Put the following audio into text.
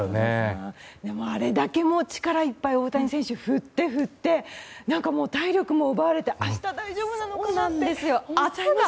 あれだけ力いっぱい大谷選手振って、振って体力も奪われて明日、大丈夫なのかなって思います。